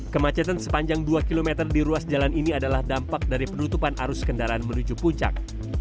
kemacetan sepanjang dua km di ruas jalan ini adalah dampak dari penutupan arus kendaraan menuju puncak